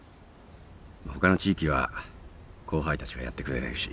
他の地域は後輩たちがやってくれてるし。